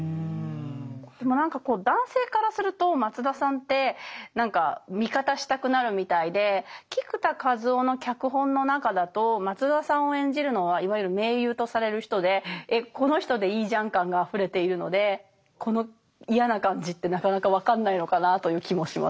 でも何かこう男性からすると松田さんって味方したくなるみたいで菊田一夫の脚本の中だと松田さんを演じるのはいわゆる名優とされる人で「えっこの人でいいじゃん」感があふれているのでこの嫌な感じってなかなか分かんないのかなという気もします。